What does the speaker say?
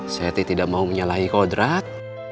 saya tidak mau menyalahi kodrat